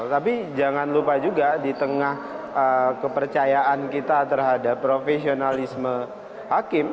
tapi jangan lupa juga di tengah kepercayaan kita terhadap profesionalisme hakim